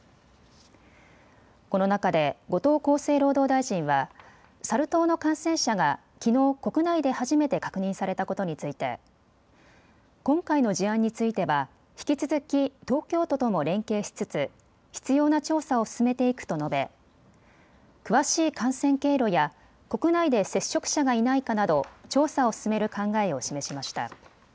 この中で後藤厚生労働大臣はサル痘の感染者がきのう国内で初めて確認されたことについて今回の事案については引き続き東京都とも連携しつつ必要な調査を進めていくと述べ詳しい感染経路や国内で接触者がいないかなど調査を進める考えを示しました。